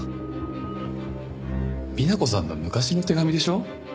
美奈子さんの昔の手紙でしょ？